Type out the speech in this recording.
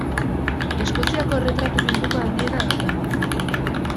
Eskoziako erretratu bilduma handiena dauka.